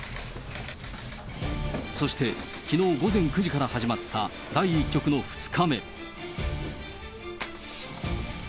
そして、きのう午前９時から始まった第１局の２日目。